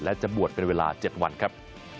และจะบวชเป็นเวลา๗วันครับ